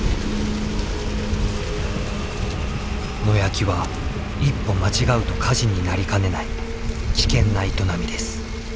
野焼きは一歩間違うと火事になりかねない危険な営みです。